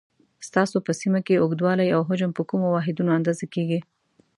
ستاسو په سیمه کې اوږدوالی او حجم په کومو واحدونو اندازه کېږي؟